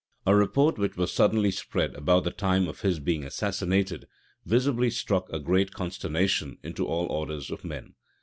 A report, which was suddenly spread about this time of his being assassinated, visibly struck a great consternation into all orders of men.